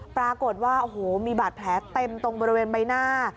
ปรากฏว่าโอ้โหมีบาดแผลเต็มตรงบริเวณใบหน้า